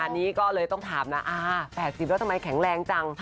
อันนี้ก็เลยต้องถามนะ๘๐แล้วทำไมแข็งแรงจัง